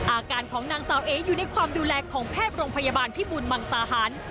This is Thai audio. อาการของนางสาวเออยู่ในความดูแลของแพทย์โรงพยาบาลพิบูลมังสาหาร